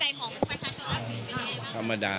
อันนี้จะต้องจับเบอร์เพื่อที่จะแข่งกันแล้วคุณละครับ